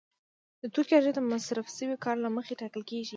د توکي ارزښت د مصرف شوي کار له مخې ټاکل کېږي